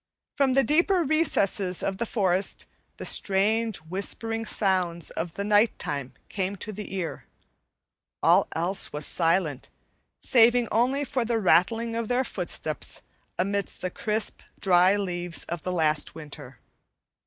From the deeper recesses of the forest the strange whispering sounds of night time came to the ear; all else was silent, saving only for the rattling of their footsteps amid the crisp, dry leaves of the last winter.